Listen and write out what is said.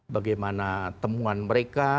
bagaimana temuan mereka